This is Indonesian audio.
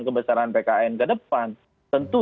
kebesaran pkn ke depan tentu